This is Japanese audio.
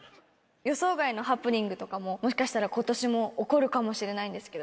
予想外のハプニングとかも、もしかしたらことしも起こるかもしれないんですけど。